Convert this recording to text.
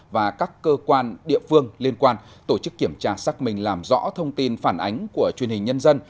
và các cơ quan địa phương liên quan tổ chức kiểm tra xác minh làm rõ thông tin phản ánh của truyền hình nhân dân